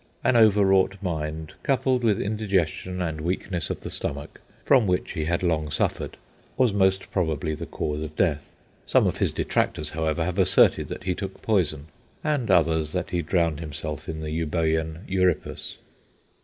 An overwrought mind, coupled with indigestion and weakness of the stomach, from which he had long suffered, was most probably the cause of death. Some of his detractors, however, have asserted that he took poison, and others that he drowned himself in the Eubœan Euripus.